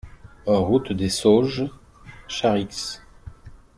Route des Sauges, Charix